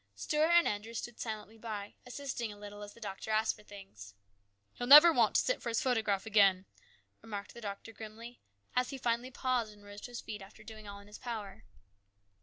Stuart and Andrew stood silently by, assisting a little as the doctor asked for things. " He'll never want to sit for his photograph again," remarked the doctor grimly, as he finally paused and rose to his feet after doing all in his power.